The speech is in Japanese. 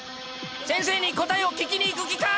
先生に答えを聞きに行く気か？